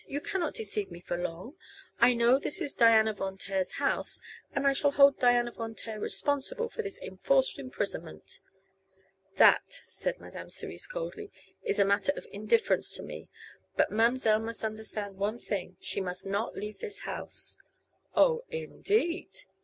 "You cannot deceive me for long. I know this is Diana Von Taer's house, and I shall hold Diana Von Taer responsible for this enforced imprisonment." "That," said Madame Cerise, coldly, "is a matter of indifference to me. But ma'm'selle must understand one thing, she must not leave this house." "Oh, indeed!"